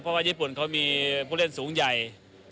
เพราะว่าญี่ปุ่นเขามีผู้เล่นสูงใหญ่